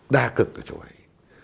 đa cực ở chỗ ấy